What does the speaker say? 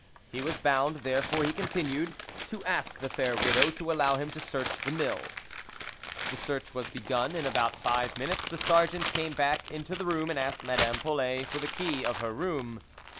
He was bound, therefore, he continued, " to ask the fair widow to allow him to search the Mill." The search was begun, in about five minutes the Sergeant came back into the room and asked Madam Polet for the key of her room.